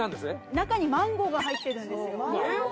中にマンゴーが入ってるんですよ。